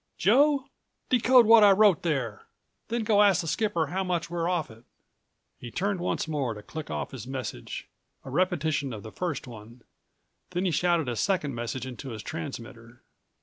Joe, decode what I wrote there, then go ask the skipper how much we're off it." He turned once more to click off his message, a repetition of the first one; then he shouted a second message into his transmitter.